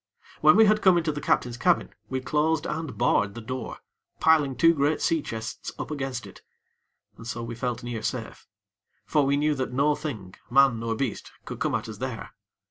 When we had come into the captain's cabin, we closed and barred the door, piling two great sea chests up against it; and so we felt near safe; for we knew that no thing, man nor beast, could come at us there.